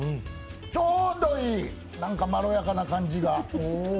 ちょうどいい、まろやかな感じが。